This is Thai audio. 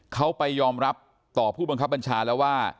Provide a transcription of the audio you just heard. เขาไปยอมรับต่อผู้บังคับบัญชาแล้วว่า